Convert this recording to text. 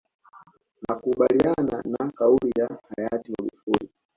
Nakubaliana na kauli ya hayati Magufuli